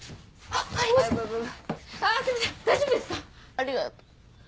ありがとう。